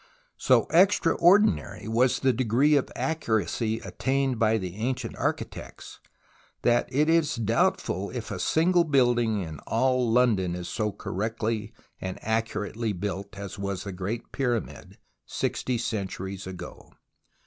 So extraordinary was the degree of accuracy attained by the ancient architects, that it is doubtful if a single building in all London is so correctly and accurately built as was the Great Pyramid sixty centuries ago.